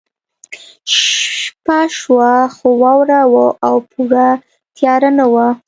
شپه شوه خو واوره وه او پوره تیاره نه وه